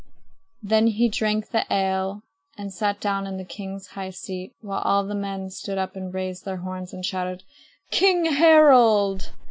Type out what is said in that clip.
Then he drank the ale and sat down in the king's high seat, while all the men stood up and raised their horns and shouted: "King Harald!"